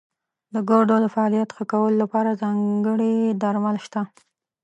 د ګردو د فعالیت ښه کولو لپاره ځانګړي درمل شته.